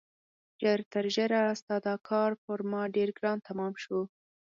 ژر تر ژره ستا دا کار پر ما ډېر ګران تمام شو.